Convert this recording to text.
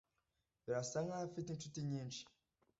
Birasa nkaho afite inshuti nyinshi.